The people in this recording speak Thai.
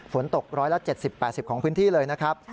ฝนตก๑๗๐๘๐ของพื้นที่เลยนะครับ